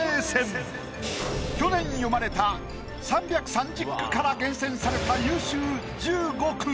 去年詠まれた３３０句から厳選された優秀１５句。